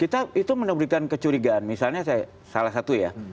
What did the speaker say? kita itu mendapatkan kecurigaan misalnya saya salah satu ya